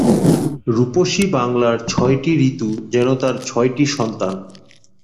রূপসী বাংলার ছয়টি ঋতু যেন তার ছয়টি সন্তান।